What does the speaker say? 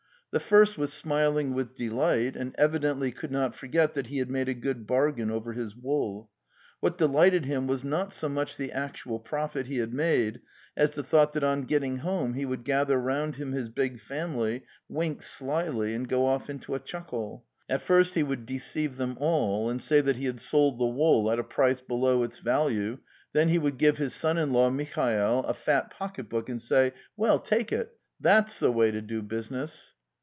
The first was smiling with delight, and evidently could not forget that he had made a good bargain over his wool; what delighted him was not so much the actual profit he had made as the thought that on getting home he would gather round him his big family, wink slyly and go off into a chuckle; at first he would deceive them all, and say that he had sold the wool at a price below its value, then he would give his son in law, Mihail, a fat pocket book and say: ' Well, take it! that's the way to do business!